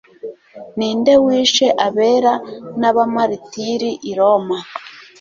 ninde wishe abera n'abamaritiri i roma